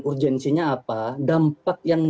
urgensinya apa dampak yang